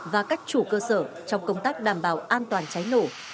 và các chủ cơ sở trong công tác đảm bảo an toàn cháy nổ